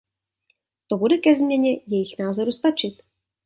To bude ke změně jejich názoru stačit.